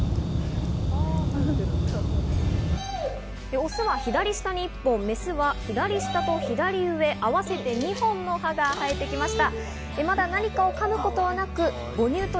オスは左下に１本、メスは左下と左上合わせて２本の歯が生えてきました。